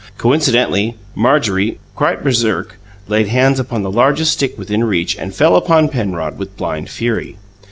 Coincidentally, Marjorie, quite baresark, laid hands upon the largest stick within reach and fell upon Penrod with blind fury.